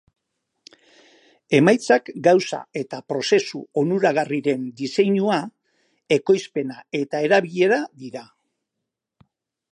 Emaitzak gauza eta prozesu onuragarriren diseinua, ekoizpena eta erabilera dira.